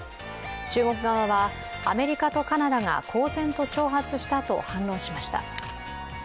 中国側はアメリカとカナダが公然と挑発したと反論しました。